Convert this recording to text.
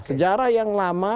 sejarah yang lama